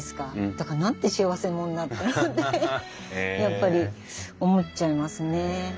だからなんて幸せ者なんだろうってやっぱり思っちゃいますね。